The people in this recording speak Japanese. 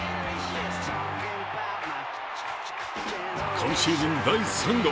今シーズン第３号。